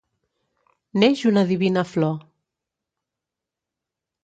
neix una divina flor